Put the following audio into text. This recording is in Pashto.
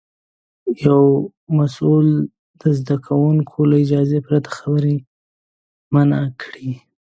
یو مسوول د زده کوونکي له اجازې پرته خبرې منع کړې.